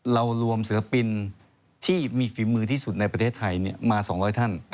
รวมศิลปินที่มีฝีมือที่สุดในประเทศไทยมา๒๐๐ท่าน